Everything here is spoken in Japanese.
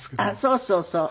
そうそうそう。